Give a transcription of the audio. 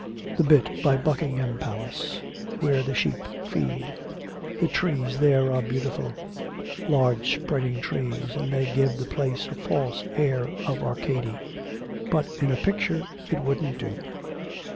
'The bit by Buckingham Palace where the sheep feed; the trees there are beautiful, large spreading trees, and they give the place a false air of Arcady. But in a picture it wouldn't do.'